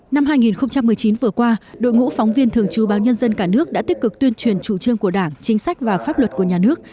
năm hai nghìn một mươi chín vừa qua đội ngũ phóng viên thường chú báo nhân dân cả nước đã tích cực tuyên truyền chủ trương của đảng chính sách và pháp luật của nhà nước